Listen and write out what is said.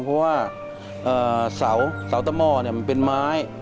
เพราะว่าเสาตะหม้อมันเป็นไม้